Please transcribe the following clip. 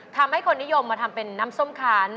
ทำให้คนนิยมมาทำเป็นน้ำส้มขาน